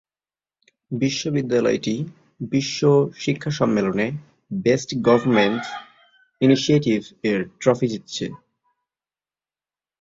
বিশ্ববিদ্যালয়টি বিশ্ব শিক্ষা সম্মেলনে "বেস্ট গভর্নমেন্ট ইনিশিয়েটিভ"-এর ট্রফি জিতেছে।